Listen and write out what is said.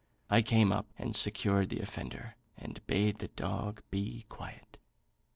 I came up and secured the offender, and bade the dog be quiet."